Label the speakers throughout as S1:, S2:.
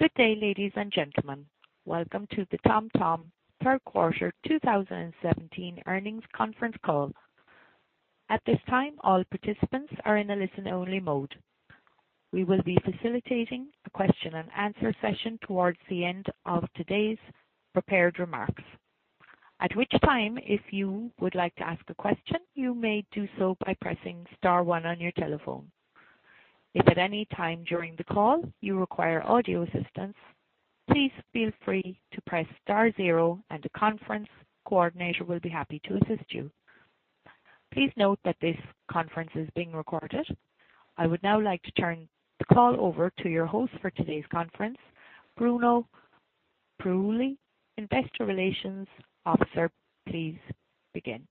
S1: Good day, ladies and gentlemen. Welcome to the TomTom Third Quarter 2017 Earnings Conference Call. At this time, all participants are in a listen-only mode. We will be facilitating a question and answer session towards the end of today's prepared remarks. At which time, if you would like to ask a question, you may do so by pressing star one on your telephone. If at any time during the call you require audio assistance, please feel free to press star zero and the conference coordinator will be happy to assist you. Please note that this conference is being recorded. I would now like to turn the call over to your host for today's conference, Bruno Priuli, Investor Relations Officer. Please begin.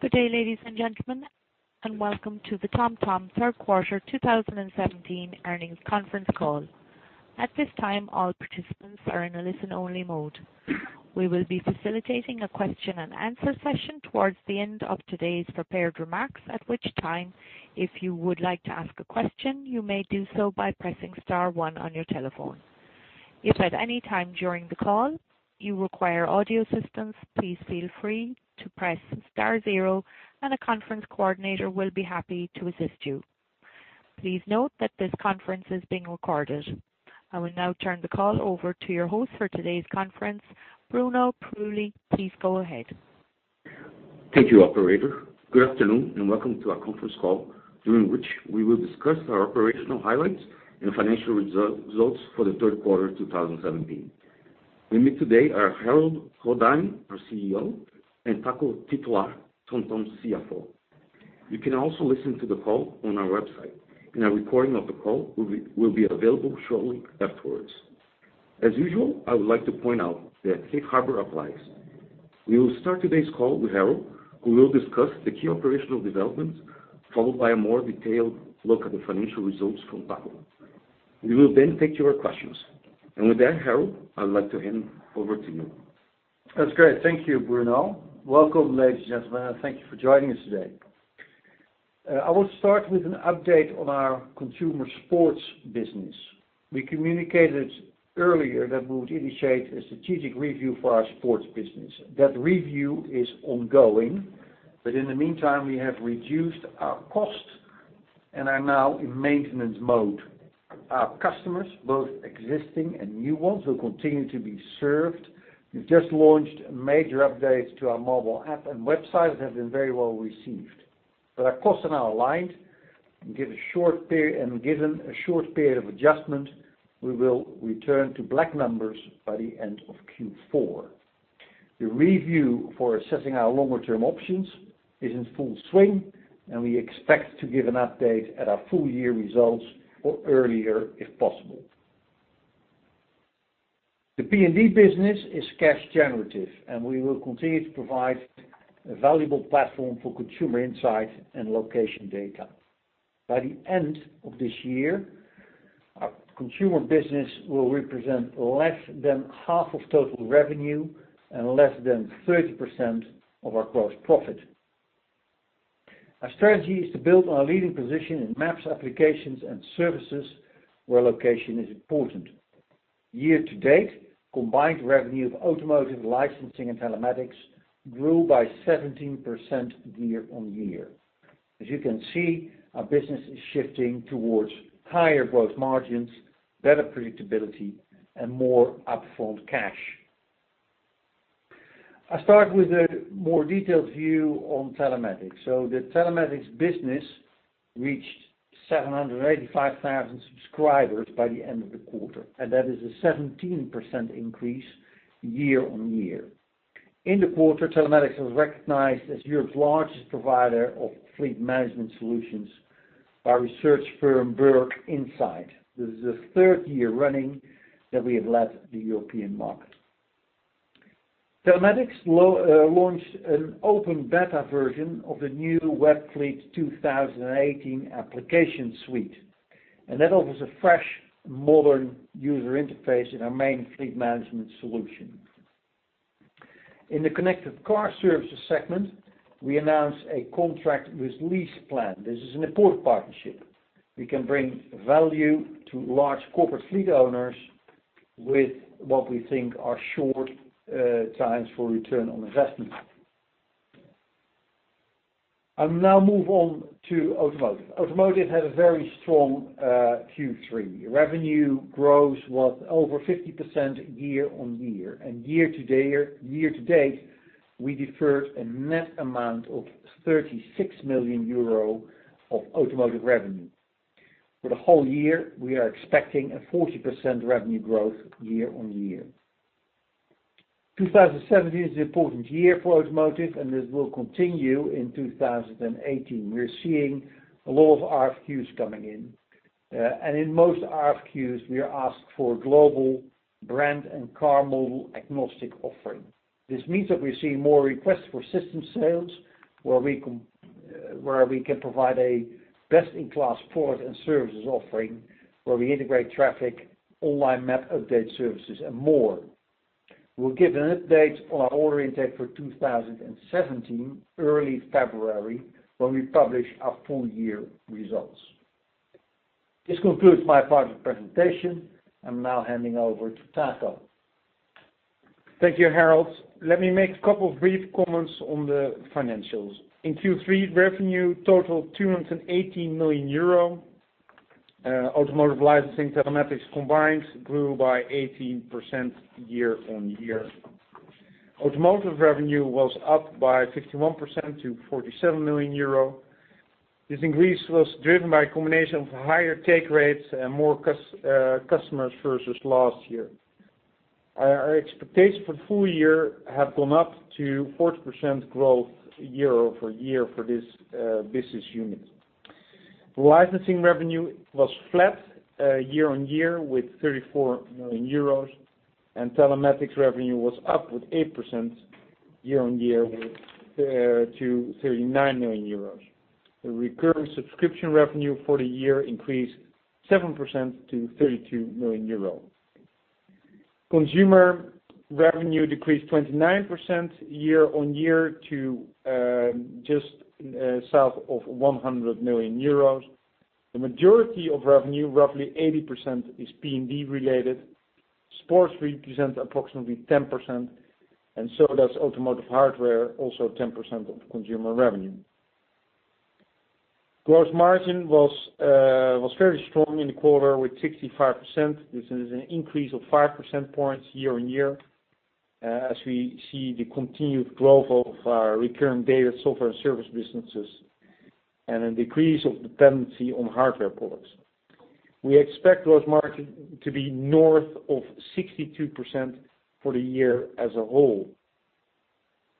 S1: Good day, ladies and gentlemen, and welcome to the TomTom Third Quarter 2017 Earnings Conference Call. At this time, all participants are in a listen-only mode. We will be facilitating a question and answer session towards the end of today's prepared remarks. At which time, if you would like to ask a question, you may do so by pressing star one on your telephone. If at any time during the call you require audio assistance, please feel free to press star zero and a conference coordinator will be happy to assist you. Please note that this conference is being recorded. I will now turn the call over to your host for today's conference, Bruno Priuli. Please go ahead.
S2: Thank you, operator. Good afternoon and welcome to our conference call, during which we will discuss our operational highlights and financial results for the third quarter 2017. With me today are Harold Goddijn, our CEO, and Taco Titulaer, TomTom's CFO. You can also listen to the call on our website, and a recording of the call will be available shortly afterwards. As usual, I would like to point out that safe harbor applies. We will start today's call with Harold, who will discuss the key operational developments, followed by a more detailed look at the financial results from Taco. We will then take your questions. With that, Harold, I would like to hand over to you.
S3: That's great. Thank you, Bruno. Welcome, ladies and gentlemen, and thank you for joining us today. I will start with an update on our consumer sports business. We communicated earlier that we would initiate a strategic review for our sports business. That review is ongoing, but in the meantime, we have reduced our cost and are now in maintenance mode. Our customers, both existing and new ones, will continue to be served. We've just launched major updates to our mobile app and website that have been very well received. Our costs are now aligned and given a short period of adjustment, we will return to black numbers by the end of Q4. The review for assessing our longer-term options is in full swing, and we expect to give an update at our full year results or earlier if possible. The PND business is cash generative, and we will continue to provide a valuable platform for consumer insight and location data. By the end of this year, our consumer business will represent less than half of total revenue and less than 30% of our gross profit. Our strategy is to build on our leading position in maps, applications, and services where location is important. Year-to-date, combined revenue of automotive licensing and telematics grew by 17% year-on-year. As you can see, our business is shifting towards higher growth margins, better predictability, and more upfront cash. I'll start with a more detailed view on telematics. The telematics business reached 785,000 subscribers by the end of the quarter, and that is a 17% increase year-on-year. In the quarter, telematics was recognized as Europe's largest provider of fleet management solutions by research firm Berg Insight. This is the third year running that we have led the European market. Telematics launched an open beta version of the new Webfleet 2018 application suite, and that offers a fresh, modern user interface in our main fleet management solution. In the connected car services segment, we announced a contract with LeasePlan. This is an important partnership. We can bring value to large corporate fleet owners with what we think are short times for return on investment. I'll now move on to automotive. Automotive had a very strong Q3. Revenue growth was over 50% year-on-year and year-to-date, we deferred a net amount of 36 million euro of automotive revenue. For the whole year, we are expecting a 40% revenue growth year-on-year. 2017 is an important year for automotive, and this will continue in 2018. We're seeing a lot of RFQs coming in. In most RFQs, we are asked for global brand and car model agnostic offering. This means that we're seeing more requests for system sales, where we can provide a best-in-class product and services offering, where we integrate traffic, online map update services, and more. We'll give an update on our order intake for 2017 early February, when we publish our full year results. This concludes my part of the presentation. I'm now handing over to Taco.
S4: Thank you, Harold. Let me make a couple of brief comments on the financials. In Q3, revenue totaled 218 million euro. Automotive licensing telematics combined grew by 18% year-on-year. Automotive revenue was up by 51% to 47 million euro. This increase was driven by a combination of higher take rates and more customers versus last year. Our expectations for the full year have gone up to 40% growth year-over-year for this business unit. Licensing revenue was flat year-on-year with 34 million euros, and telematics revenue was up with 8% year-on-year to 39 million euros. The recurring subscription revenue for the year increased 7% to 32 million euro. Consumer revenue decreased 29% year-on-year to just south of 100 million euros. The majority of revenue, roughly 80%, is PND related. Sports represents approximately 10%, and so does automotive hardware, also 10% of consumer revenue. Gross margin was very strong in the quarter with 65%. This is an increase of 5 percentage points year-over-year, as we see the continued growth of our recurring data software and service businesses and a decrease of dependency on hardware products. We expect gross margin to be north of 62% for the year as a whole.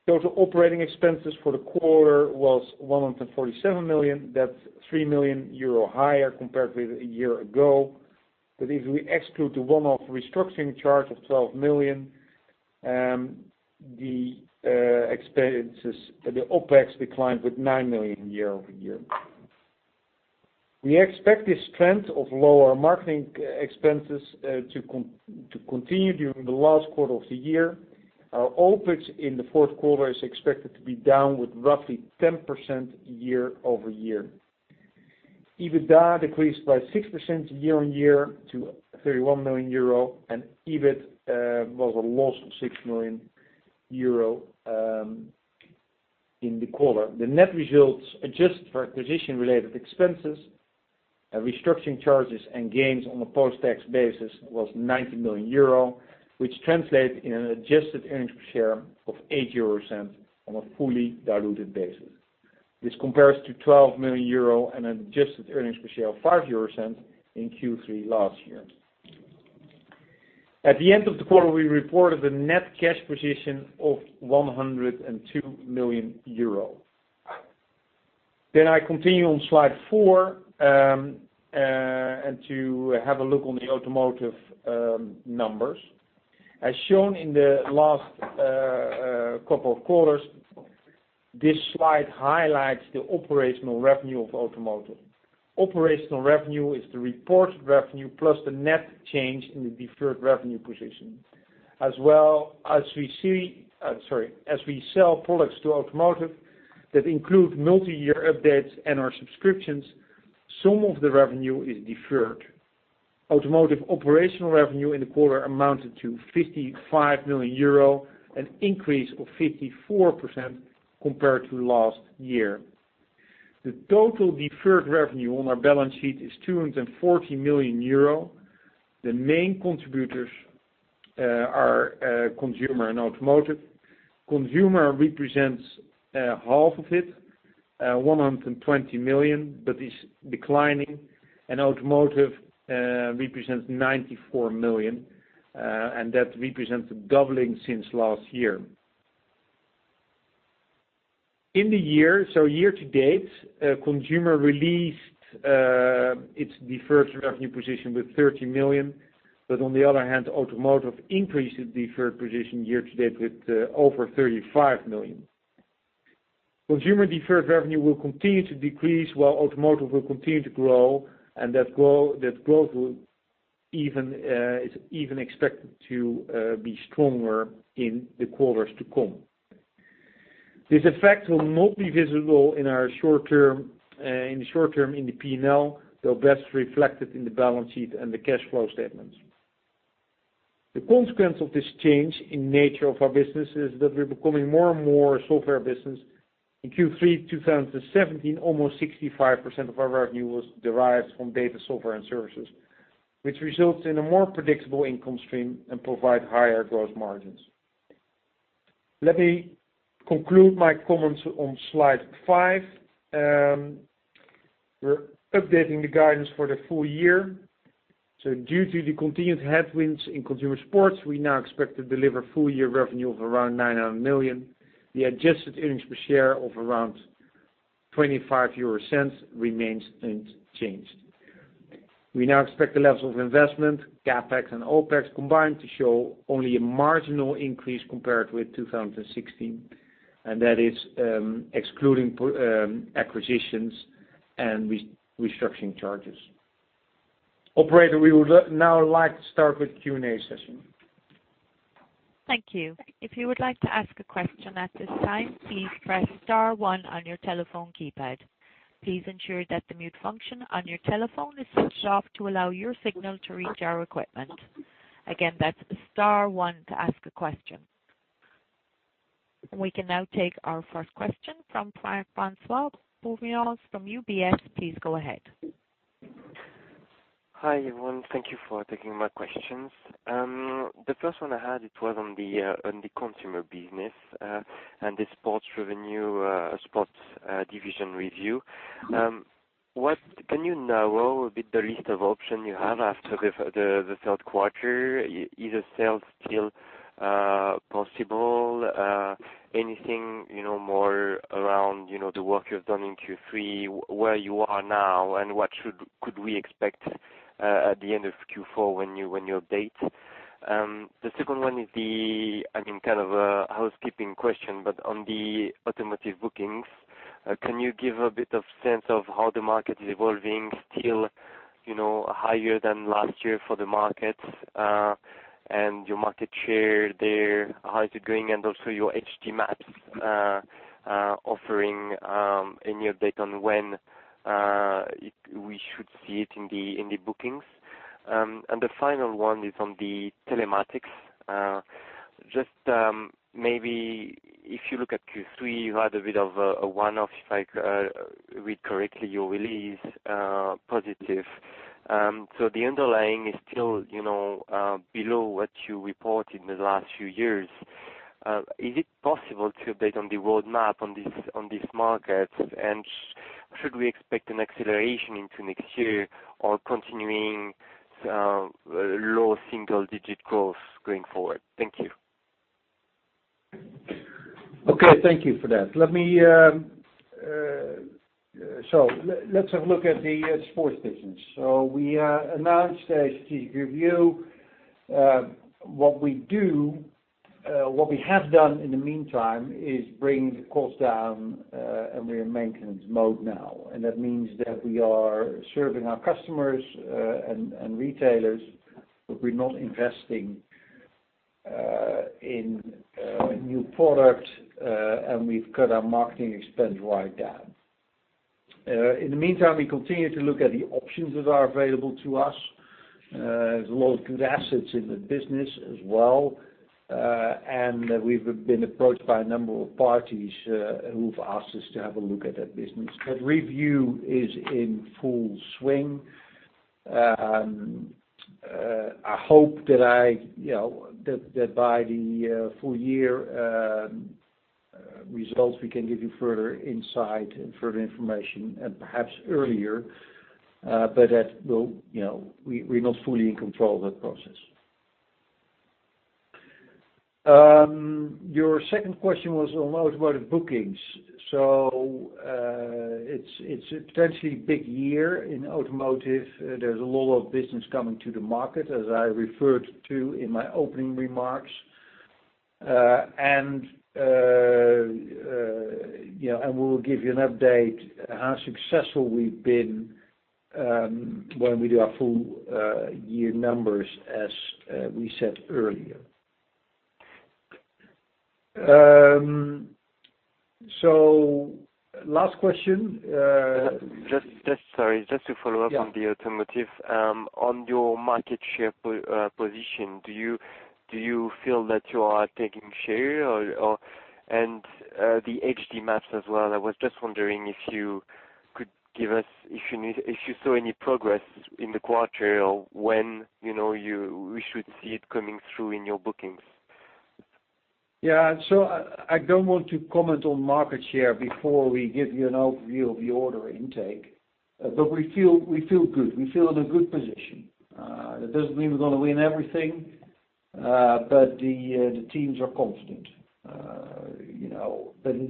S4: Total operating expenses for the quarter was 147 million. That's 3 million euro higher compared with a year ago. If we exclude the one-off restructuring charge of 12 million, the OpEx declined with 9 million year-over-year. We expect this trend of lower marketing expenses to continue during the last quarter of the year. Our OpEx in the fourth quarter is expected to be down with roughly 10% year-over-year. EBITDA decreased by 6% year-over-year to 31 million euro and EBIT was a loss of 6 million euro in the quarter. The net results adjusted for acquisition related expenses, restructuring charges, and gains on a post-tax basis was 90 million euro, which translates in an adjusted earnings per share of 0.08 on a fully diluted basis. This compares to 12 million euro and an adjusted earnings per share of 0.05 in Q3 last year. At the end of the quarter, we reported a net cash position of 102 million euro. I continue on slide four, and to have a look on the automotive numbers. As shown in the last couple of quarters, this slide highlights the operational revenue of automotive. Operational revenue is the reported revenue plus the net change in the deferred revenue position. As we sell products to automotive that include multi-year updates and our subscriptions, some of the revenue is deferred. Automotive operational revenue in the quarter amounted to 55 million euro, an increase of 54% compared to last year. The total deferred revenue on our balance sheet is 240 million euro. The main contributors are consumer and automotive. Consumer represents half of it, 120 million, but is declining, and automotive represents 94 million, and that represents a doubling since last year. In the year, so year-to-date, consumer released its deferred revenue position with 30 million. On the other hand, automotive increased its deferred position year-to-date with over 35 million. Consumer deferred revenue will continue to decrease while automotive will continue to grow, and that growth is even expected to be stronger in the quarters to come. This effect will not be visible in the short term in the P&L, though best reflected in the balance sheet and the cash flow statements. The consequence of this change in nature of our business is that we're becoming more and more a software business. In Q3 2017, almost 65% of our revenue was derived from data software and services, which results in a more predictable income stream and provide higher gross margins. Let me conclude my comments on slide five. We're updating the guidance for the full year. Due to the continued headwinds in Consumer Sports, we now expect to deliver full year revenue of around 900 million. The adjusted earnings per share of around 0.25 remains unchanged. We now expect the levels of investment, CapEx and OpEx combined, to show only a marginal increase compared with 2016, and that is excluding acquisitions and restructuring charges.
S3: Operator, we would now like to start with the Q&A session.
S1: Thank you. If you would like to ask a question at this time, please press star one on your telephone keypad. Please ensure that the mute function on your telephone is switched off to allow your signal to reach our equipment. Again, that's star one to ask a question. We can now take our first question from Francois-Xavier Bouvignies from UBS. Please go ahead.
S5: Hi, everyone. Thank you for taking my questions. The first one I had, it was on the consumer business and the sports revenue, sports division review. Can you narrow a bit the list of options you have after the third quarter? Is a sale still possible? Anything more around the work you've done in Q3, where you are now, and what could we expect at the end of Q4 when you update? The second one is kind of a housekeeping question, but on the automotive bookings, can you give a bit of sense of how the market is evolving? Still higher than last year for the markets, and your market share there, how is it going? Also your HD maps offering, any update on when we should see it in the bookings? The final one is on the telematics. Just maybe if you look at Q3, you had a bit of a one-off, if I read correctly your release, positive. The underlying is still below what you reported in the last few years. Is it possible to update on the roadmap on these markets and should we expect an acceleration into next year or continuing low single-digit growth going forward? Thank you.
S3: Okay. Thank you for that. Let's have a look at the sports business. We announced a strategic review. What we have done in the meantime is bring the cost down, and we're in maintenance mode now. That means that we are serving our customers and retailers, but we're not investing in new product, and we've cut our marketing expense right down. In the meantime, we continue to look at the options that are available to us. There's a lot of good assets in the business as well. We've been approached by a number of parties who've asked us to have a look at that business. That review is in full swing. I hope that by the full year results, we can give you further insight and further information and perhaps earlier, but we're not fully in control of that process. Your second question was on automotive bookings. It's a potentially big year in automotive. There's a lot of business coming to the market, as I referred to in my opening remarks. We will give you an update how successful we've been when we do our full year numbers, as we said earlier. Last question.
S5: Sorry, just to follow up on the automotive. On your market share position, do you feel that you are taking share or. The HD maps as well. I was just wondering if you saw any progress in the quarter or when we should see it coming through in your bookings.
S3: I don't want to comment on market share before we give you an overview of the order intake. We feel good. We feel in a good position. That doesn't mean we're going to win everything, but the teams are confident.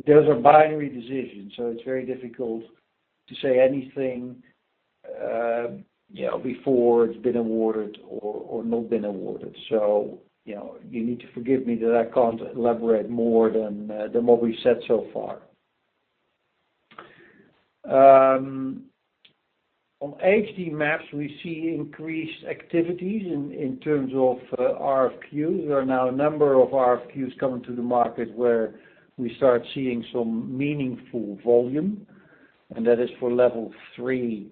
S3: Those are binary decisions, so it's very difficult to say anything before it's been awarded or not been awarded. You need to forgive me that I can't elaborate more than what we've said so far. On HD maps, we see increased activities in terms of RFQs. There are now a number of RFQs coming to the market where we start seeing some meaningful volume, and that is for Level 3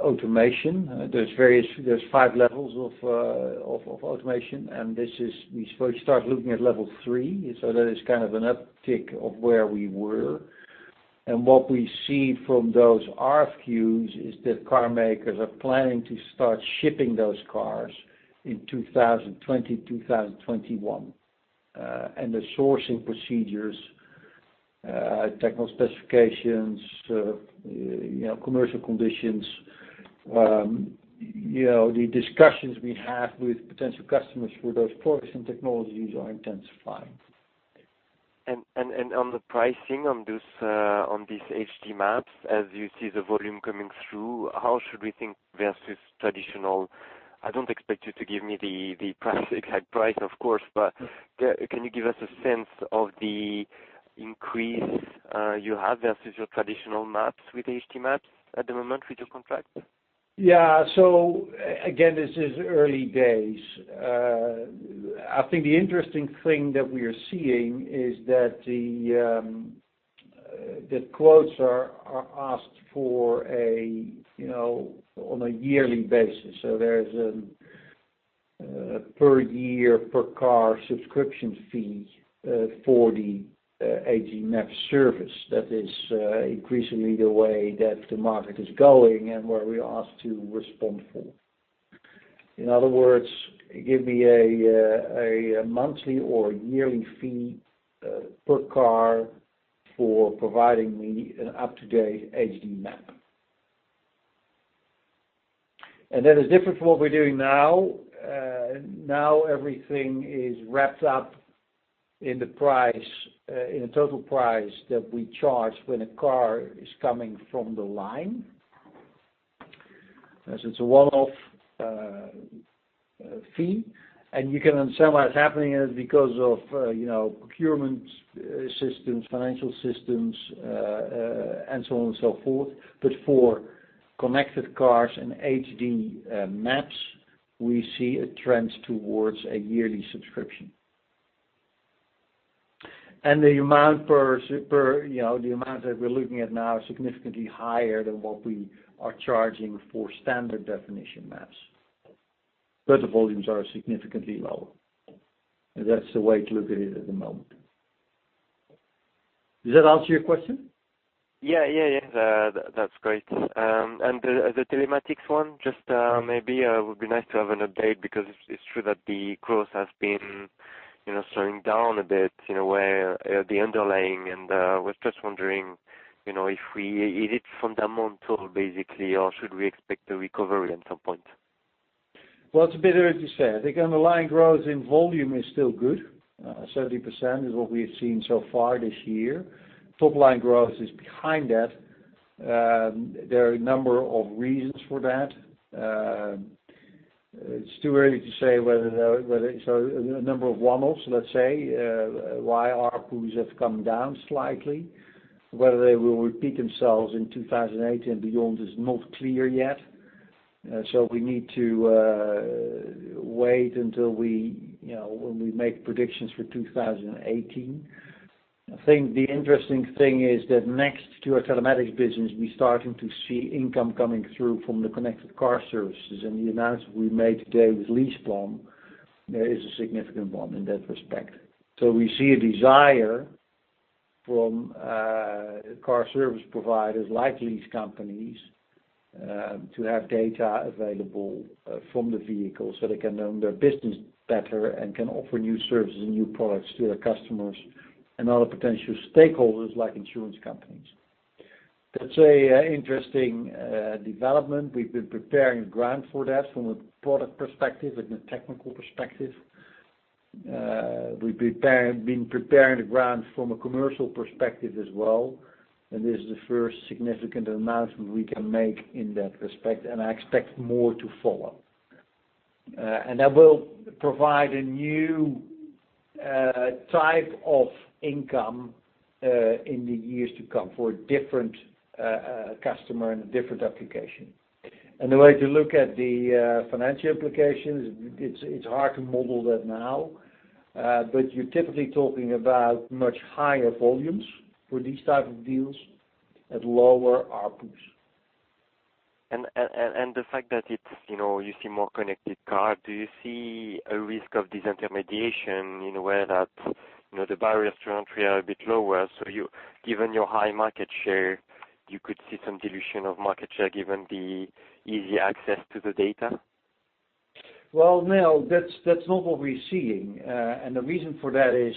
S3: automation. There's 5 levels of automation, and we start looking at Level 3, that is an uptick of where we were. What we see from those RFQs is that car makers are planning to start shipping those cars in 2020, 2021. The sourcing procedures, techno specifications, commercial conditions, the discussions we have with potential customers for those products and technologies are intensifying.
S5: On the pricing on these HD maps, as you see the volume coming through, how should we think versus traditional? I don't expect you to give me the exact price, of course, but can you give us a sense of the increase you have versus your traditional maps with HD maps at the moment with your contract?
S3: Again, this is early days. I think the interesting thing that we are seeing is that quotes are asked for on a yearly basis. There is per year, per car subscription fee for the HD map service. That is increasingly the way that the market is going and where we are asked to respond for. In other words, give me a monthly or yearly fee per car for providing me an up-to-date HD map. That is different from what we're doing now. Everything is wrapped up in the total price that we charge when a car is coming from the line, as it's a one-off fee. You can understand why it's happening, and it's because of procurement systems, financial systems, and so on and so forth. For connected cars and HD maps, we see a trend towards a yearly subscription. The amount that we're looking at now is significantly higher than what we are charging for standard definition maps. The volumes are significantly lower, and that's the way to look at it at the moment. Does that answer your question?
S5: Yeah. That's great. The telematics one, just maybe it would be nice to have an update because it's true that the growth has been slowing down a bit. I was just wondering, is it fundamental basically, or should we expect a recovery at some point?
S3: Well, it's a bit early to say. I think underlying growth in volume is still good. 70% is what we've seen so far this year. Top-line growth is behind that. There are a number of reasons for that. It's too early to say whether there are a number of one-offs, let's say, why ARPUs have come down slightly. Whether they will repeat themselves in 2018 and beyond is not clear yet. We need to wait until when we make predictions for 2018. I think the interesting thing is that next to our telematics business, we're starting to see income coming through from the connected car services. The announcement we made today with LeasePlan, there is a significant one in that respect. We see a desire from car service providers like lease companies, to have data available from the vehicle so they can know their business better and can offer new services and new products to their customers and other potential stakeholders like insurance companies. That's an interesting development. We've been preparing ground for that from a product perspective and a technical perspective. We've been preparing the ground from a commercial perspective as well, and this is the first significant announcement we can make in that respect, and I expect more to follow. That will provide a new type of income, in the years to come for a different customer and a different application. The way to look at the financial implications, it's hard to model that now, but you're typically talking about much higher volumes for these type of deals at lower ARPUs.
S5: The fact that you see more connected cars, do you see a risk of disintermediation in a way that the barriers to entry are a bit lower, so given your high market share, you could see some dilution of market share given the easy access to the data?
S3: Well, no. The reason for that is,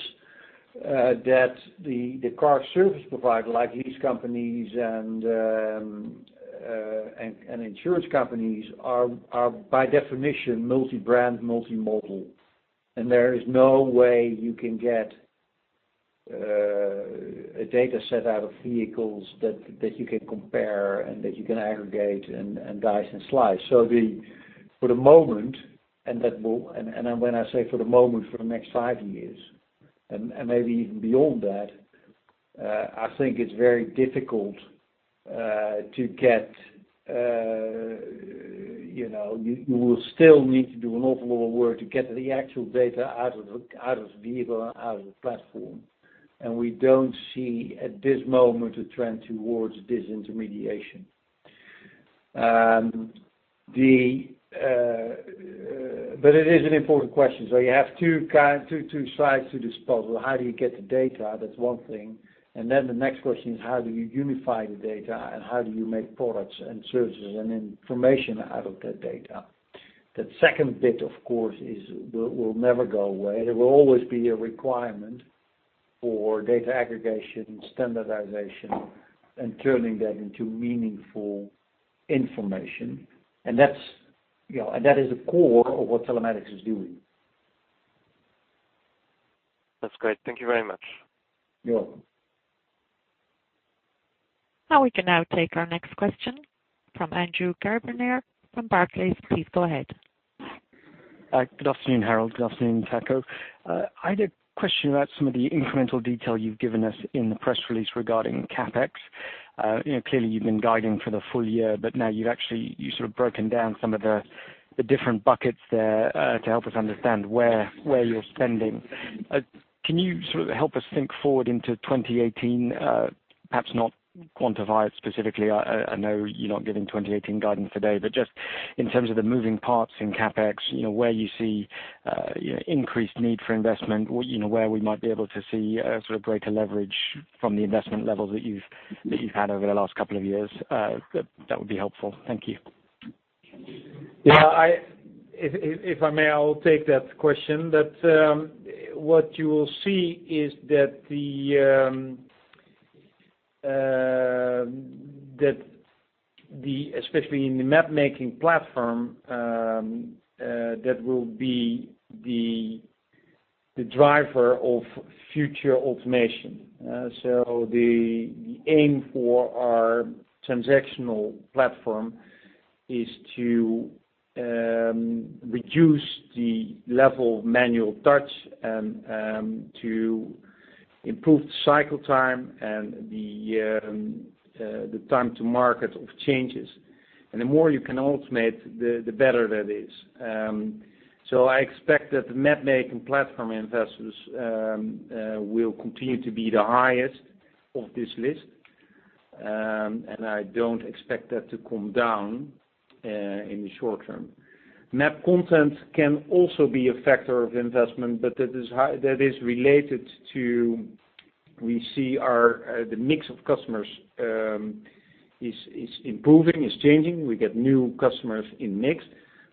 S3: that the car service provider, like lease companies and insurance companies are by definition multi-brand, multi-model, and there is no way you can get a data set out of vehicles that you can compare and that you can aggregate and dice and slice. For the moment And when I say for the moment, for the next five years, and maybe even beyond that, I think it's very difficult. You will still need to do an awful lot of work to get the actual data out of the vehicle and out of the platform, and we don't see at this moment a trend towards disintermediation. It is an important question. You have two sides to this puzzle. How do you get the data? That's one thing. The next question is how do you unify the data and how do you make products and services and information out of that data? That second bit, of course, will never go away. There will always be a requirement for data aggregation, standardization, and turning that into meaningful information. That is the core of what Telematics is doing.
S5: That's great. Thank you very much.
S3: You're welcome.
S1: We can now take our next question from Andrew Gardiner from Barclays. Please go ahead.
S6: Good afternoon, Harold. Good afternoon, Taco. I had a question about some of the incremental detail you've given us in the press release regarding CapEx. Clearly, you've been guiding for the full year, but now you've actually sort of broken down some of the different buckets there to help us understand where you're spending. Can you sort of help us think forward into 2018? Perhaps not quantify it specifically. I know you're not giving 2018 guidance today, but just in terms of the moving parts in CapEx, where you see increased need for investment, where we might be able to see a sort of greater leverage from the investment levels that you've had over the last couple of years. That would be helpful. Thank you.
S3: If I may, I will take that question. What you will see, especially in the mapmaking platform, that will be the driver of future automation. The aim for our transactional platform is to reduce the level of manual touch and to improve the cycle time and the time to market of changes. The more you can automate, the better that is. I expect that the mapmaking platform investments will continue to be the highest of this list, and I don't expect that to come down in the short term. Map content can also be a factor of investment, but that is related to, we see the mix of customers is improving, is changing. We get new customers in mix.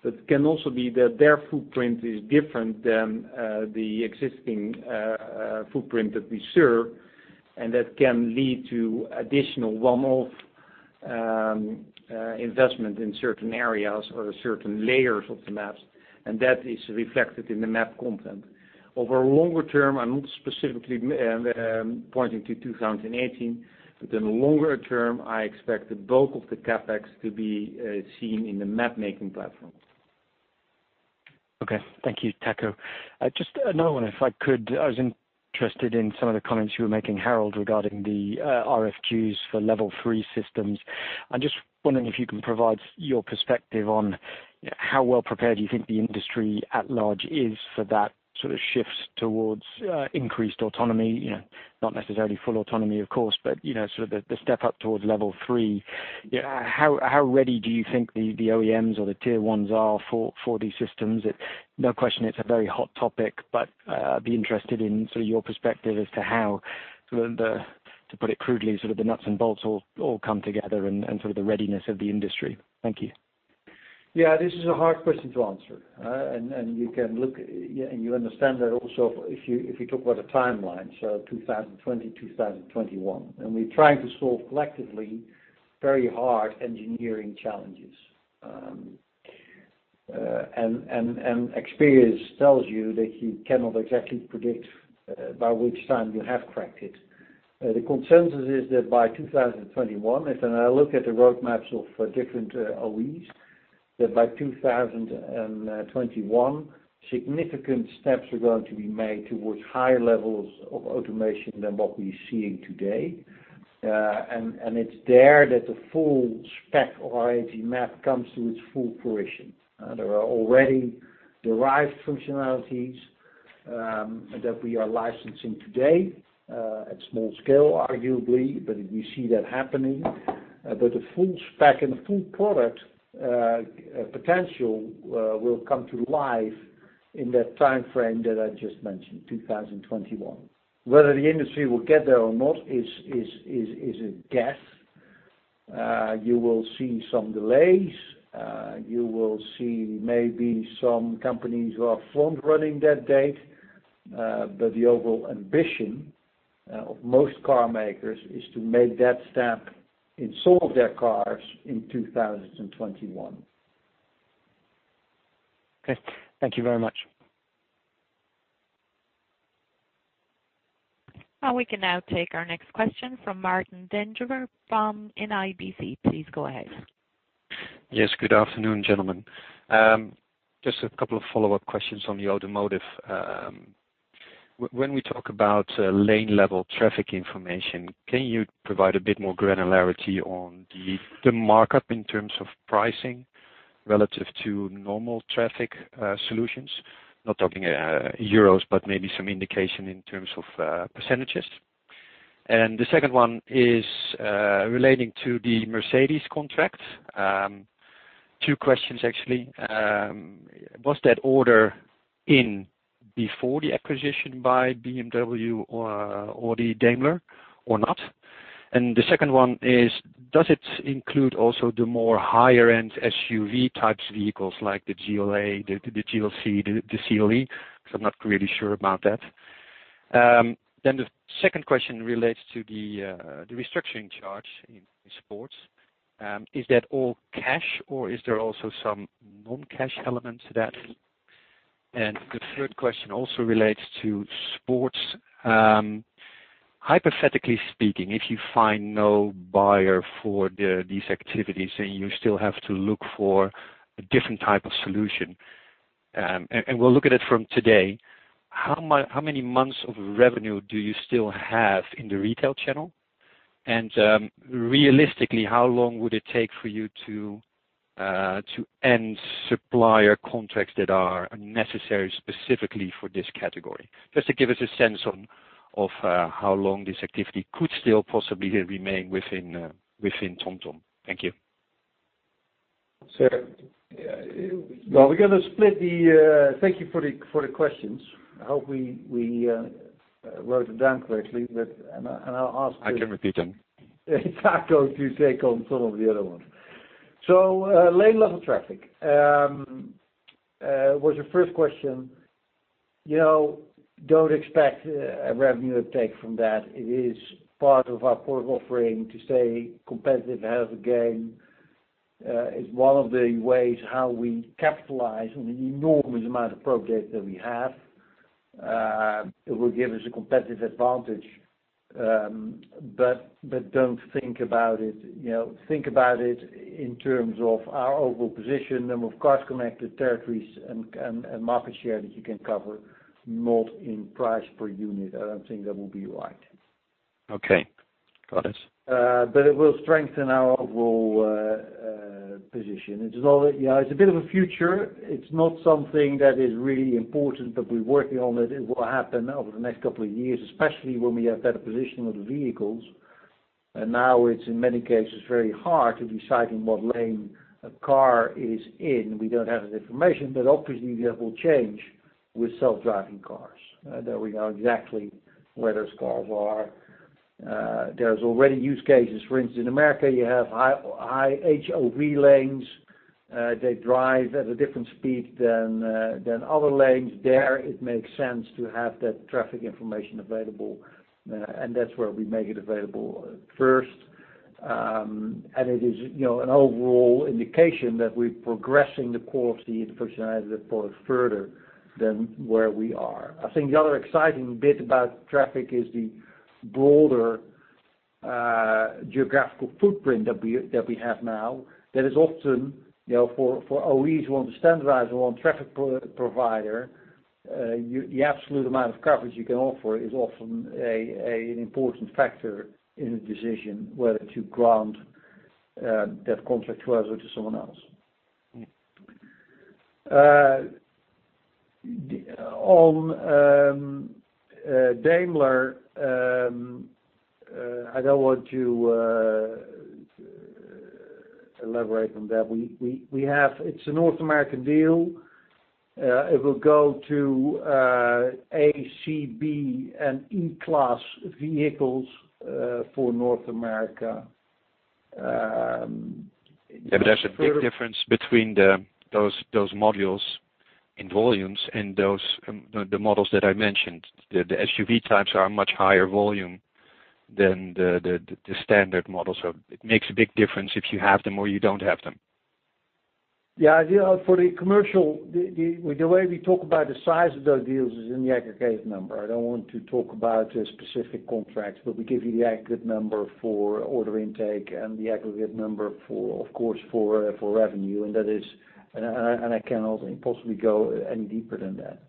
S3: It can also be that their footprint is different than the existing footprint that we serve, and that can lead to additional one-off investment in certain areas or certain layers of the maps. That is reflected in the map content. Over a longer term, I'm not specifically pointing to 2018, but in the longer term, I expect the bulk of the CapEx to be seen in the mapmaking platform.
S6: Okay. Thank you, Taco. Just another one if I could. I was interested in some of the comments you were making, Harold, regarding the RFQs for level 3 systems. I'm just wondering if you can provide your perspective on how well prepared you think the industry at large is for that sort of shift towards increased autonomy. Not necessarily full autonomy, of course, but sort of the step up towards level 3. How ready do you think the OEMs or the tier 1s are for these systems? No question it's a very hot topic, but I'd be interested in sort of your perspective as to how the, to put it crudely, sort of the nuts and bolts all come together and sort of the readiness of the industry. Thank you.
S3: Yeah, this is a hard question to answer. You understand that also if you talk about a timeline, 2020, 2021. We're trying to solve collectively very hard engineering challenges. Experience tells you that you cannot exactly predict by which time you have cracked it. The consensus is that by 2021, if I look at the roadmaps of different OEs, that by 2021, significant steps are going to be made towards higher levels of automation than what we're seeing today. It's there that the full spec of HD map comes to its full fruition. There are already derived functionalities that we are licensing today, at small scale, arguably, but we see that happening. The full spec and the full product potential will come to life in that timeframe that I just mentioned, 2021. Whether the industry will get there or not is a guess. You will see some delays. You will see maybe some companies who are front-running that date. The overall ambition of most car makers is to make that step in all of their cars in 2021.
S6: Okay. Thank you very much.
S1: We can now take our next question from Maarten Denggriver from NIBC. Please go ahead.
S7: Yes, good afternoon, gentlemen. Just a couple of follow-up questions on the automotive. When we talk about lane level traffic information, can you provide a bit more granularity on the markup in terms of pricing relative to normal traffic solutions? Not talking euros, but maybe some indication in terms of %. The second one is relating to the Mercedes-Benz contract. Two questions, actually. Was that order in before the acquisition by BMW or Daimler or not? The second one is, does it include also the more higher-end SUV types vehicles like the GLA, the GLC, the GLE, because I'm not really sure about that. The second question relates to the restructuring charge in sports. Is that all cash or is there also some non-cash element to that? The third question also relates to sports. Hypothetically speaking, if you find no buyer for these activities and you still have to look for a different type of solution, and we'll look at it from today, how many months of revenue do you still have in the retail channel? Realistically, how long would it take for you to end supplier contracts that are necessary specifically for this category? Just to give us a sense of how long this activity could still possibly remain within TomTom. Thank you.
S3: We're going to split the Thank you for the questions. I hope we wrote them down correctly.
S7: I can repeat them
S3: Taco to take on some of the other ones. Lane level traffic was your first question. Don't expect a revenue uptake from that. It is part of our core offering to stay competitive, have a game, is one of the ways how we capitalize on the enormous amount of probe data that we have. It will give us a competitive advantage, don't think about it. Think about it in terms of our overall position, number of cars connected, territories, and market share that you can cover, not in price per unit. I don't think that would be right.
S7: Okay, got it.
S3: It will strengthen our overall position. It's a bit of a future. It's not something that is really important, but we're working on it. It will happen over the next couple of years, especially when we have better position of the vehicles. Now it's in many cases, very hard to decide in what lane a car is in. We don't have that information, obviously that will change with self-driving cars. There we know exactly where those cars are. There's already use cases. For instance, in America, you have HOV lanes. They drive at a different speed than other lanes. There it makes sense to have that traffic information available, that's where we make it available first. It is an overall indication that we're progressing the quality and functionality of the product further than where we are. I think the other exciting bit about traffic is the broader geographical footprint that we have now that is often, for OEMs who want to standardize or want traffic provider, the absolute amount of coverage you can offer is often an important factor in the decision whether to grant that contract to us or to someone else. On Daimler, I don't want to elaborate on that. It's a North American deal. It will go to A, C, B, and E-class vehicles for North America.
S7: There's a big difference between those modules in volumes and the models that I mentioned. The SUV types are much higher volume than the standard models are. It makes a big difference if you have them or you don't have them.
S3: Yeah. For the commercial, with the way we talk about the size of those deals is in the aggregate number. I don't want to talk about a specific contract, but we give you the aggregate number for order intake and the aggregate number, of course, for revenue, and I cannot possibly go any deeper than that.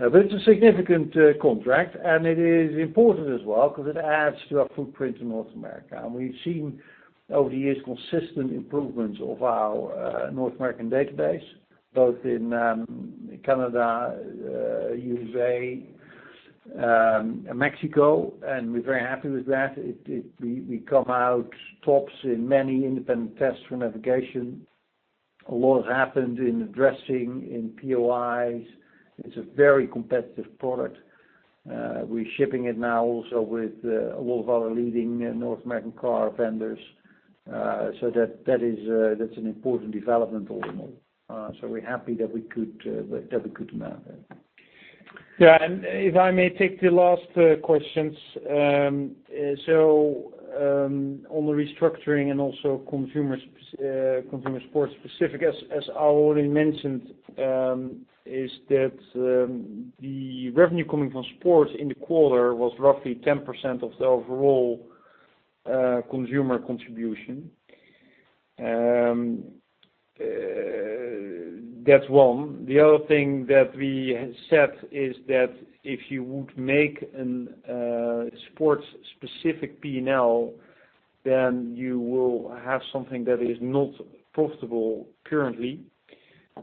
S3: It's a significant contract, and it is important as well because it adds to our footprint in North America. We've seen over the years, consistent improvements of our North American database, both in Canada, USA, Mexico, and we're very happy with that. We come out tops in many independent tests for navigation. A lot has happened in addressing, in POIs. It's a very competitive product. We're shipping it now also with a lot of other leading North American car vendors. That's an important development overall. We're happy that we could map that.
S4: Yeah, if I may take the last questions. On the restructuring and also Consumer Sports specific, as I already mentioned, is that the revenue coming from sports in the quarter was roughly 10% of the overall Consumer contribution. That's one. The other thing that we said is that if you would make a sports specific P&L, then you will have something that is not profitable currently.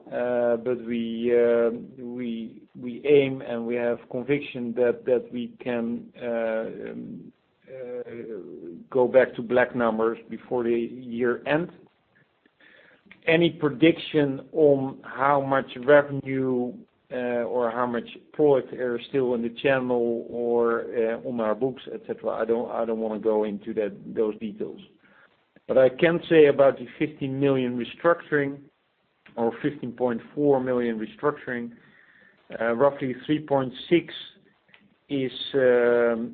S4: We aim, and we have conviction that we can go back to black numbers before the year ends. Any prediction on how much revenue or how much product are still in the channel or on our books, et cetera, I don't want to go into those details. I can say about the 15 million restructuring or 15.4 million restructuring, roughly 3.6 is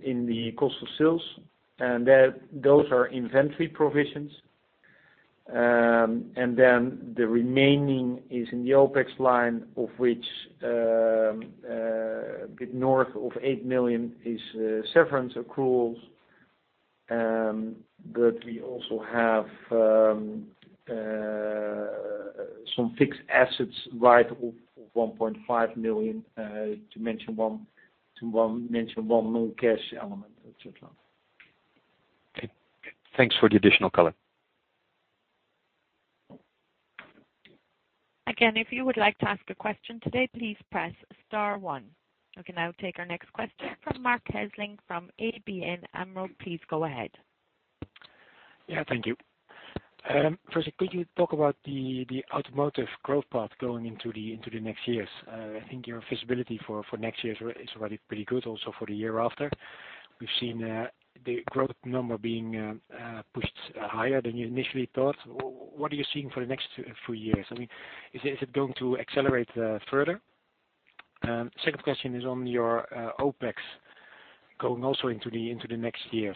S4: in the cost of sales, and those are inventory provisions. The remaining is in the OpEx line, of which a bit north of 8 million is severance accruals. We also have some fixed assets, right of 1.5 million, to mention one non-cash element, et cetera.
S7: Thanks for the additional color.
S1: Again, if you would like to ask a question today, please press star one. We take our next question from Marc Hesselink from ABN AMRO. Please go ahead.
S8: Thank you. Firstly, could you talk about the automotive growth path going into the next years? I think your visibility for next year is already pretty good, also for the year after. We've seen the growth number being pushed higher than you initially thought. What are you seeing for the next 3 years? Is it going to accelerate further? Second question is on your OpEx going also into the next years.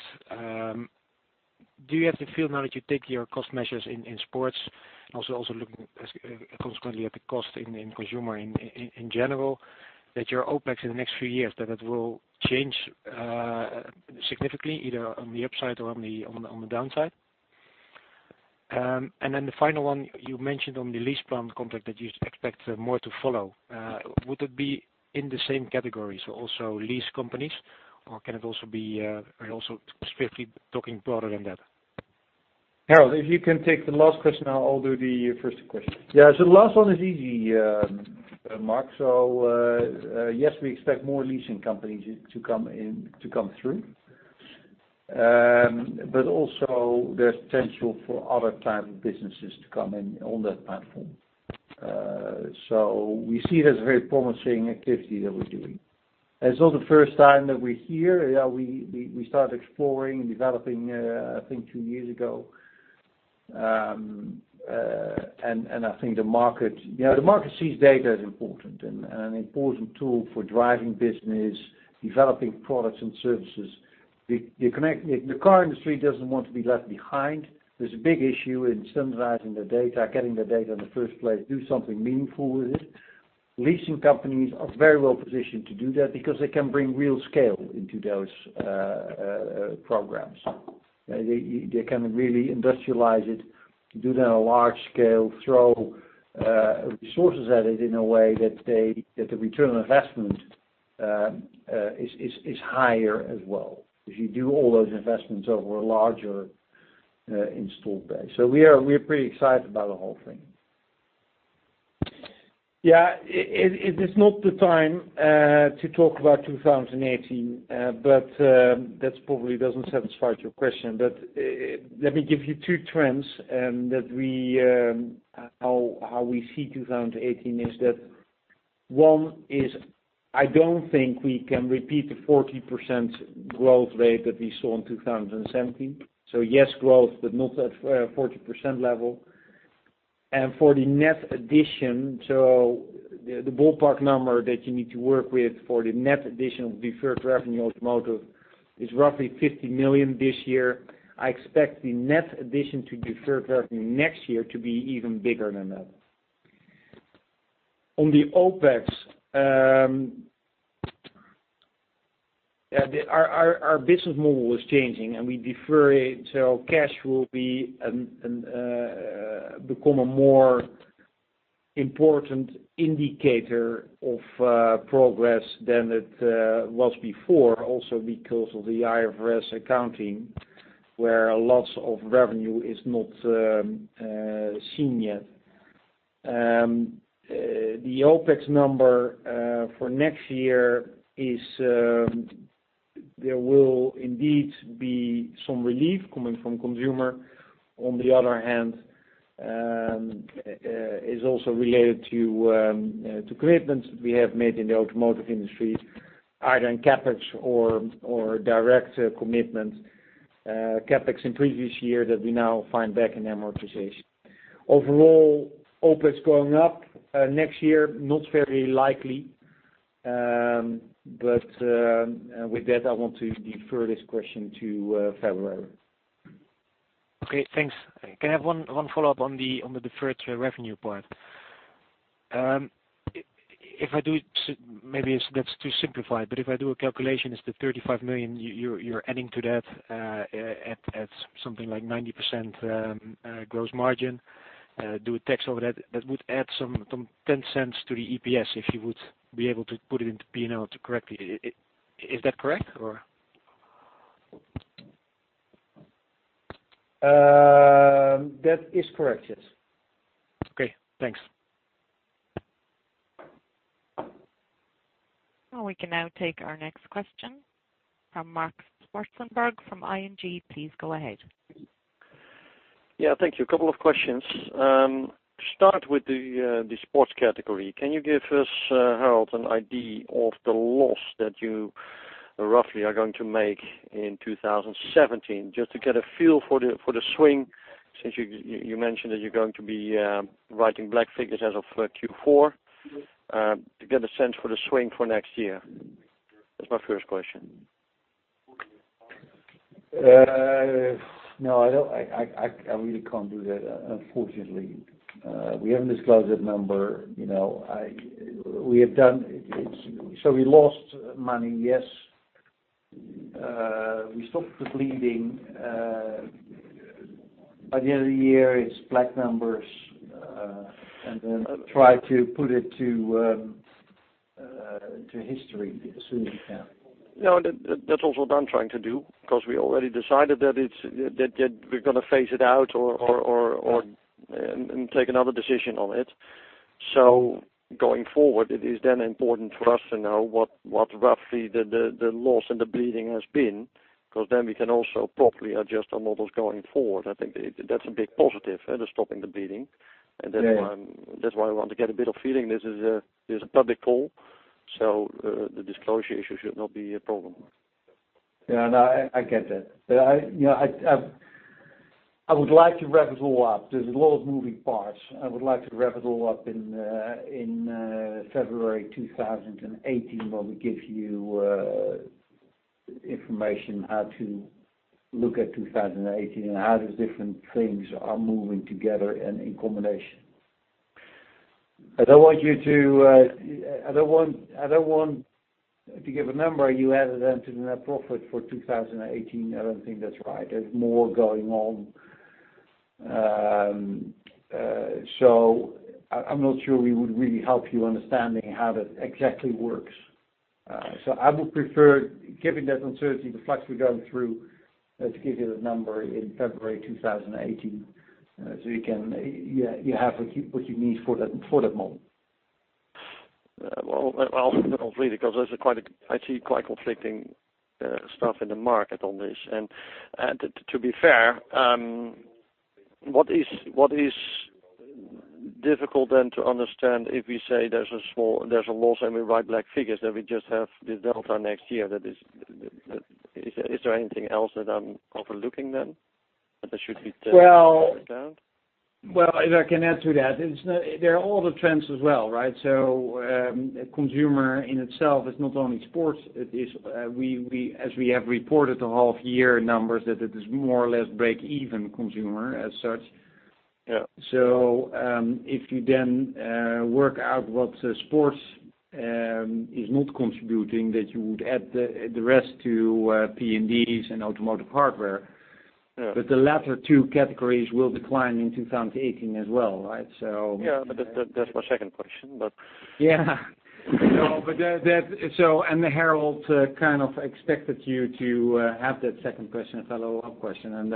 S8: Do you have the feel now that you take your cost measures in sports, also looking consequently at the cost in consumer in general, that your OpEx in the next few years, that it will change significantly, either on the upside or on the downside? The final one, you mentioned on the LeasePlan contract that you expect more to follow. Would it be in the same category, so also lease companies, or can it also be strictly talking broader than that?
S4: Harold, if you can take the last question, I'll do the first question.
S3: The last one is easy, Marc. Yes, we expect more leasing companies to come through. Also, there's potential for other types of businesses to come in on that platform. We see it as a very promising activity that we're doing. It's not the first time that we're here. We started exploring and developing, I think, 2 years ago. I think the market sees data as important and an important tool for driving business, developing products and services. The car industry doesn't want to be left behind. There's a big issue in standardizing the data, getting the data in the first place, do something meaningful with it. Leasing companies are very well positioned to do that because they can bring real scale into those programs. They can really industrialize it, do that on a large scale, throw resources at it in a way that the return on investment is higher as well, because you do all those investments over a larger installed base. We are pretty excited about the whole thing.
S4: It is not the time to talk about 2018, but that probably doesn't satisfy your question. Let me give you two trends how we see 2018 is that, one is, I don't think we can repeat the 40% growth rate that we saw in 2017. Yes, growth, but not at 40% level. For the net addition, the ballpark number that you need to work with for the net addition of deferred revenue automotive is roughly 50 million this year. I expect the net addition to deferred revenue next year to be even bigger than that. On the OpEx, our business model is changing and we defer it, cash will become a more important indicator of progress than it was before, also because of the IFRS accounting, where a lot of revenue is not seen yet. The OpEx number for next year is, there will indeed be some relief coming from consumer. On the other hand, is also related to commitments that we have made in the automotive industry, either in CapEx or direct commitments, CapEx in previous year that we now find back in amortization. Overall, OpEx going up next year, not very likely. With that, I want to defer this question to February.
S8: Can I have one follow-up on the deferred revenue part? Maybe that's too simplified, but if I do a calculation as to 35 million, you're adding to that at something like 90% gross margin. Do a tax over that. That would add some 0.10 to the EPS if you would be able to put it into P&L to correctly. Is that correct, or?
S3: That is correct, yes.
S8: Okay, thanks.
S1: We can now take our next question from Marc Zwartsenburg from ING. Please go ahead.
S9: Yeah, thank you. Couple of questions. To start with the sports category, can you give us, Harold, an idea of the loss that you roughly are going to make in 2017, just to get a feel for the swing, since you mentioned that you're going to be writing black figures as of Q4, to get a sense for the swing for next year? That's my first question.
S3: No, I really can't do that, unfortunately. We haven't disclosed that number. We lost money, yes. We stopped the bleeding. By the end of the year, it's black numbers, then try to put it to history as soon as we can.
S9: No, that's also what I'm trying to do because we already decided that we're going to phase it out and take another decision on it. Going forward, it is then important for us to know what roughly the loss and the bleeding has been, because then we can also properly adjust our models going forward. I think that's a big positive, stopping the bleeding.
S3: Yes.
S9: That's why I want to get a bit of feeling. This is a public call. The disclosure issue should not be a problem.
S3: Yeah, no, I get that. I would like to wrap it all up. There's a lot of moving parts. I would like to wrap it all up in February 2018 when we give you information how to look at 2018 and how the different things are moving together and in combination. I don't want to give a number you add then to the net profit for 2018. I don't think that's right. There's more going on. I'm not sure we would really help you understanding how that exactly works. I would prefer, given that uncertainty, the flux we're going through, to give you the number in February 2018, so you have what you need for that moment.
S9: Well, I'll completely, because I see quite conflicting stuff in the market on this. To be fair, what is difficult then to understand if we say there's a loss and we write black figures, that we just have this delta next year. Is there anything else that I'm overlooking then that should be taken into account?
S3: Well, if I can add to that, there are other trends as well, right? Consumer in itself is not only sports. As we have reported the half year numbers, that it is more or less break even consumer as such.
S9: Yeah.
S3: If you then work out what sports is not contributing, that you would add the rest to PNDs and automotive hardware.
S9: Yeah.
S3: The latter two categories will decline in 2018 as well, right?
S9: Yeah, that's my second question.
S3: Yeah. Harold kind of expected you to have that second question, a follow-up question, and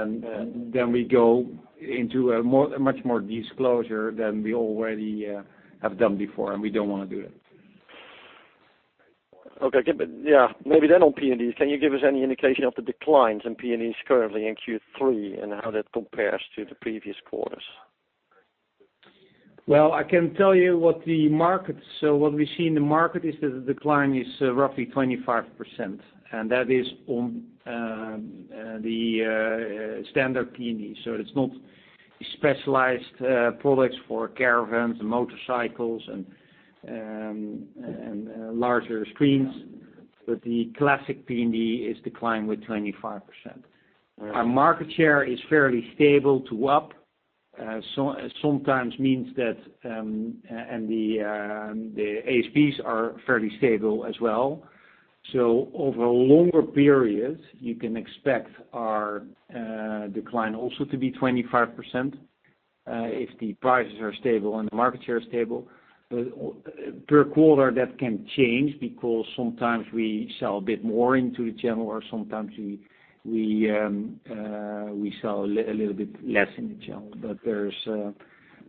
S3: then we go into a much more disclosure than we already have done before. We don't want to do that.
S9: Okay. Yeah. Maybe on PNDs. Can you give us any indication of the declines in PNDs currently in Q3 and how that compares to the previous quarters?
S3: Well, I can tell you what we see in the market is that the decline is roughly 25%, and that is on the standard PND. It's not specialized products for caravans and motorcycles and larger screens. The classic PND is declined with 25%.
S9: Right.
S3: Our market share is fairly stable to up. Sometimes means that, the ASPs are fairly stable as well. Over longer periods, you can expect our decline also to be 25%, if the prices are stable and the market share is stable. Per quarter, that can change because sometimes we sell a bit more into the channel, or sometimes we sell a little bit less in the channel.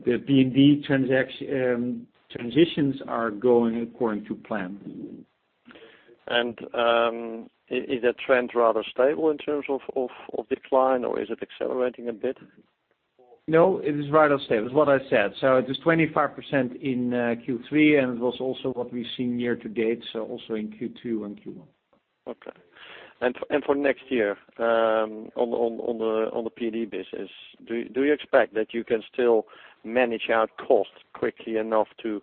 S3: The PND transitions are going according to plan.
S9: Is the trend rather stable in terms of decline, or is it accelerating a bit?
S3: No, it is right on stable. It's what I said. It is 25% in Q3, and it was also what we've seen year to date, so also in Q2 and Q1.
S9: Okay. For next year, on the PND business, do you expect that you can still manage out costs quickly enough to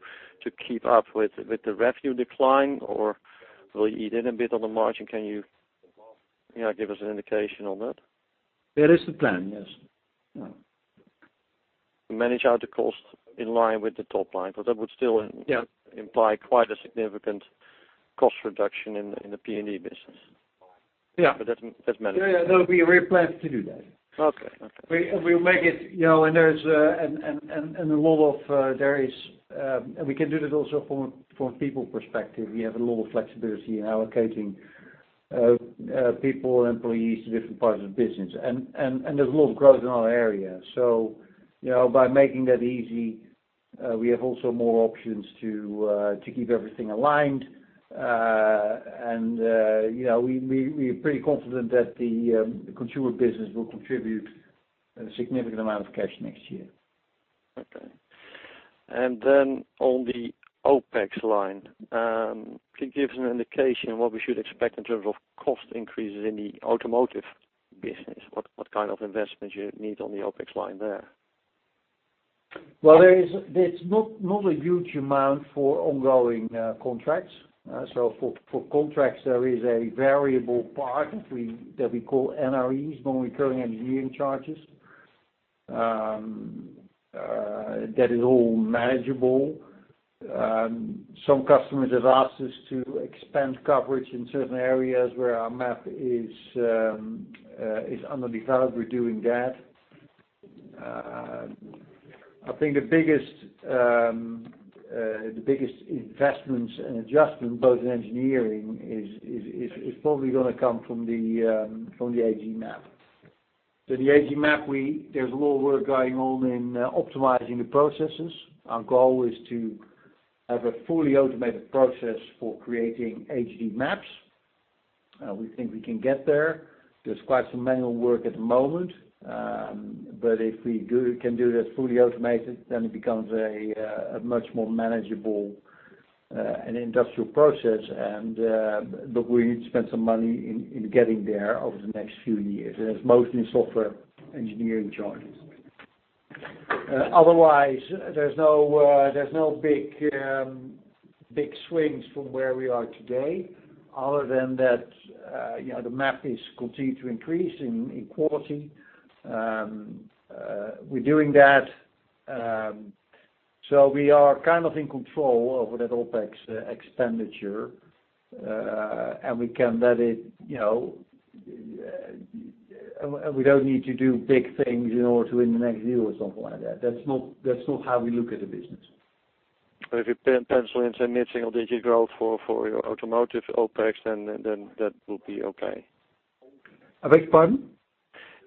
S9: keep up with the revenue decline or will you eat in a bit on the margin? Can you give us an indication on that?
S3: That is the plan, yes.
S9: Manage out the cost in line with the top line, because that would still
S3: Yeah
S9: Imply quite a significant cost reduction in the P&L business.
S3: Yeah.
S9: That's manageable.
S3: We plan to do that.
S9: Okay.
S3: We can do that also from people perspective. We have a lot of flexibility in allocating people and employees to different parts of the business. There's a lot of growth in other areas. By making that easy, we have also more options to keep everything aligned. We're pretty confident that the consumer business will contribute a significant amount of cash next year.
S9: On the OpEx line, can you give us an indication what we should expect in terms of cost increases in the automotive business? What kind of investments you need on the OpEx line there?
S3: Well, there's not a huge amount for ongoing contracts. For contracts, there is a variable part that we call NREs, non-recurring engineering charges. That is all manageable. Some customers have asked us to expand coverage in certain areas where our map is under development, we're doing that. I think the biggest investments and adjustments, both in engineering, is probably going to come from the HD map. The HD map, there's a lot of work going on in optimizing the processes. Our goal is to have a fully automated process for creating HD maps. We think we can get there. There's quite some manual work at the moment. If we can do this fully automated, then it becomes a much more manageable and industrial process. We need to spend some money in getting there over the next few years, and it's mostly software engineering charges. Otherwise, there's no big swings from where we are today other than that the map is continued to increase in quality. We're doing that. We are kind of in control over that OPEX expenditure. We don't need to do big things in order to win the next deal or something like that. That's not how we look at the business.
S9: If you pencil in, say, mid-single-digit growth for your automotive OPEX, then that will be okay.
S3: I beg your pardon?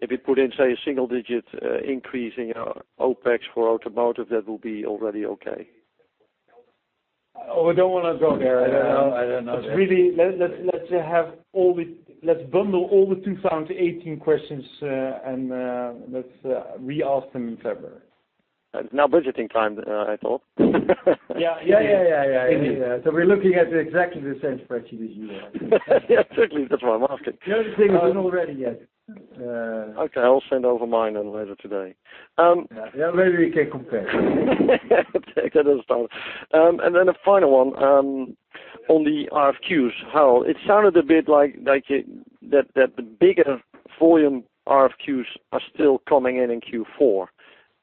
S9: If you put in, say, a single-digit increase in your OPEX for automotive, that will be already okay.
S3: Oh, we don't want to go there.
S9: I don't know.
S3: Let's bundle all the 2018 questions and let's re-ask them in February.
S9: It's now budgeting time, I thought.
S3: Yeah. We're looking at exactly the same spreadsheet as you are.
S9: Yeah, exactly. That's why I'm asking.
S3: The other thing is, we don't have it yet.
S9: Okay, I'll send over mine then later today.
S3: Yeah. Maybe we can compare.
S9: Okay, that is done. Then a final one, on the RFQs, Harold, it sounded a bit like that the bigger volume RFQs are still coming in in Q4